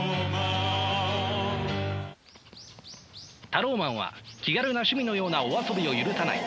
タローマンは気軽な趣味のようなお遊びを許さない。